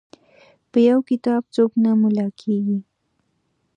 په یو کتاب څوک نه ملا کیږي.